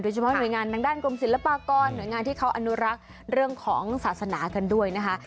เฉพาะหน่วยงานทางด้านกรมศิลปากรหน่วยงานที่เขาอนุรักษ์เรื่องของศาสนากันด้วยนะคะ